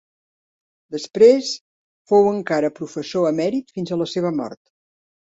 Després fou encara professor emèrit fins a la seva mort.